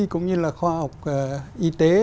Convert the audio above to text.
cũng như là khoa học y tế